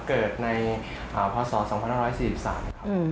เกิดในพศ๒๕๔๓ครับ